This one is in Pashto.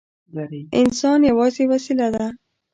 انسان یوازې وسیله ده.